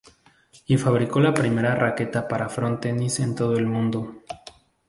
Y fabricó la primera raqueta para frontenis en todo el mundo.